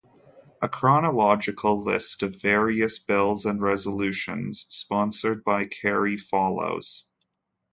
A chronological list of various bills and resolutions sponsored by Kerry follows.